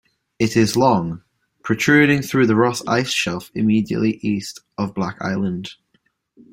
It is long, protruding through the Ross Ice Shelf immediately east of Black Island.